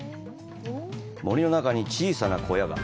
森の中に小さな小屋が。